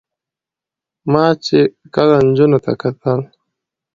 ما چې کله نجونو ته کتل